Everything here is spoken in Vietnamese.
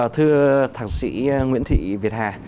thưa thằng sĩ nguyễn thị việt hà